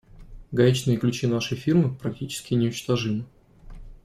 Гаечные ключи нашей фирмы практически неуничтожимы.